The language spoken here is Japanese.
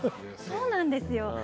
そうなんですよ。